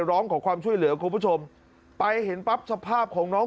ร้องขอความช่วยเหลือคุณผู้ชมไปเห็นปั๊บสภาพของน้อง